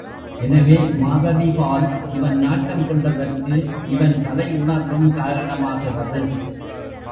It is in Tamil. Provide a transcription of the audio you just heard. எனவே மாதவிபால் இவன் நாட்டம் கொண்டதற்கு இவன் கலையுணர்வும் காரண மாகிறது.